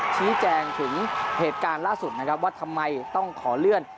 ชี้แจงถึงเหตุการณ์ล่าสุดนะครับว่าทำไมต้องขอเลื่อน